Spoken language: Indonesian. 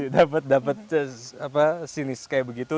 dapat dapat sinis kayak begitu